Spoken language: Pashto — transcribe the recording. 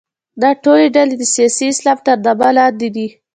دا ټولې ډلې د سیاسي اسلام تر نامه لاندې دي.